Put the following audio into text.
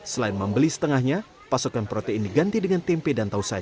selain membeli setengahnya pasokan protein diganti dengan tempe dan tausai